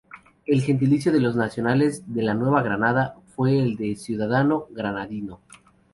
El gentilicio de los nacionales de la Nueva Granada fue el de ciudadano granadino.